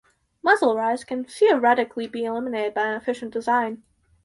Muzzle rise can theoretically be eliminated by an efficient design.